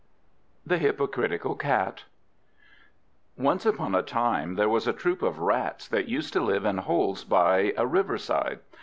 THE HYPOCRITICAL CAT Once upon a time there was a troop of Rats that used to live in holes by a river side.